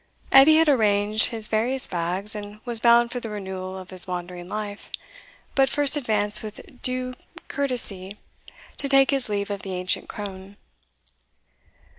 Edie had arranged his various bags, and was bound for the renewal of his wandering life, but first advanced with due courtesy to take his leave of the ancient crone.